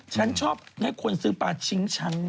ฉันชอบให้คนซื้อปลาชิงฉัน